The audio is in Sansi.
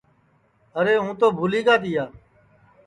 ارے ہوں تو بُھولی گا تیا